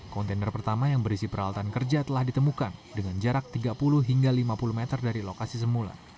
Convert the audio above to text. kontainer pertama yang berisi peralatan kerja telah ditemukan dengan jarak tiga puluh hingga lima puluh meter dari lokasi semula